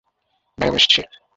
ভাই, আমি আসছি।